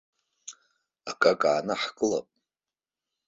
Акака аанаҳкылап?